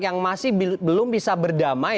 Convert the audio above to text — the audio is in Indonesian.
yang masih belum bisa berdamai